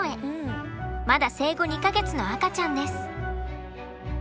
まだ生後２か月の赤ちゃんです。